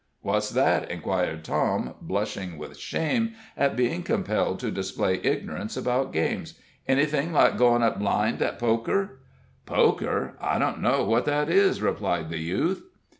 "What's that?" inquired Tom, blushing with shame at being compelled to display ignorance about games; "anything like going it blind at poker?" "Poker? I don't know what that is," replied the youth.